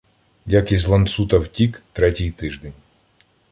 — Як із Ланцута втік — третій тиждень.